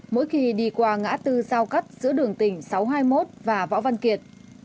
mỗi khi đi qua ngã tư giao cắt giữa đường tỉnh sáu trăm hai mươi một và võ văn kiệt